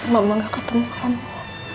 mama gak ketemu kamu